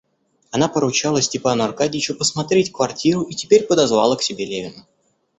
Она поручала Степану Аркадьичу посмотреть квартиру и теперь подозвала к себе Левина.